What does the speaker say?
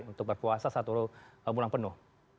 untuk berpuasa satu bulan penuh